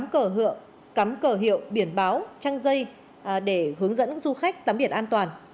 cắm cờ hiệu biển báo trăng dây để hướng dẫn du khách tắm biển an toàn